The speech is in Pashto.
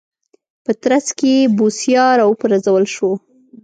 په ترڅ کې یې بوسیا راوپرځول شو.